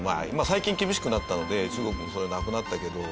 最近厳しくなったので中国もそれはなくなったけど。